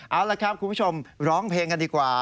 เอาละครับคุณผู้ชมร้องเพลงกันดีกว่า